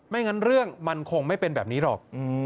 งั้นเรื่องมันคงไม่เป็นแบบนี้หรอก